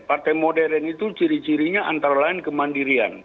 partai modern itu ciri cirinya antara lain kemandirian